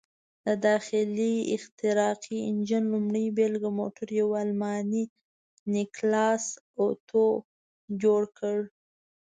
د داخلي احتراقي انجن لومړۍ بېلګه موټر یو الماني نیکلاس اتو جوړ کړ.